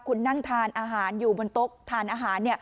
คุณนั่งทานอาหารอยู่บนโต๊ะทานอาหาร